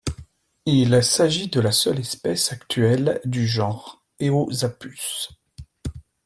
Il s'agit de la seule espèce actuelle du genre Eozapus.